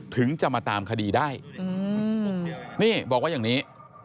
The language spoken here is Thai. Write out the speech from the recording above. ถึงจะมาตามคดีได้นี่บอกว่าอย่างนี้